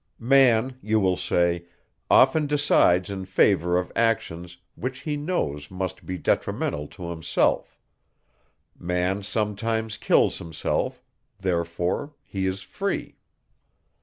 "Man," you will say, "often decides in favour of actions, which he knows must be detrimental to himself; man sometimes kills himself; therefore he is free."